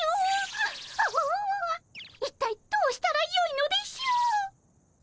あわわわ一体どうしたらよいのでしょう。